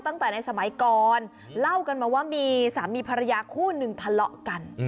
ตั้งแต่ในสมัยก่อนเล่ากันมาว่ามีสามีภรรยาคู่หนึ่งทะเลาะกัน